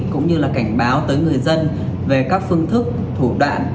cũng như là cảnh báo tới người dân về các phương thức thủ đoạn